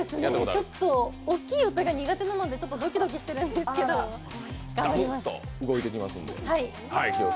ちょっと大きい音が苦手なので、ドキドキしてるんですけど頑張ります。